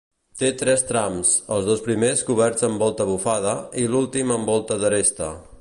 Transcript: Té tres trams, els dos primers coberts amb volta bufada i l'últim amb volta d'aresta.